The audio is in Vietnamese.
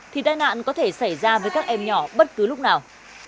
thì tai nạn có thể xảy ra với các em nhỏ bất cứ lúc nào